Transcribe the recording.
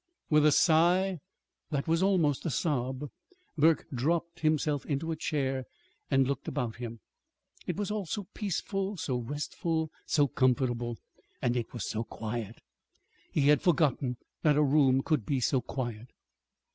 With a sigh that was almost a sob Burke dropped himself into a chair and looked about him. It was all so peaceful, so restful, so comfortable. And it was so quiet. He had forgotten that a room could be so quiet.